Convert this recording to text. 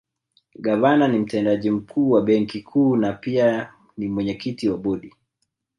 Gavana ni Mtendaji Mkuu wa Benki Kuu na pia ni mwenyekiti wa Bodi